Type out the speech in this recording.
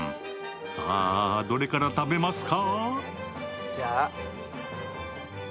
さぁ、どれから食べますか？